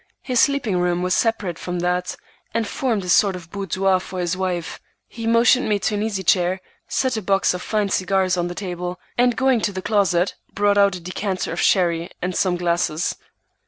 His sleeping room was separate from that, and formed a sort of boudoir for his wife. He motioned me to an easy chair, set a box of fine cigars on the table, and going to the closet brought out a decanter of sherry and some glasses.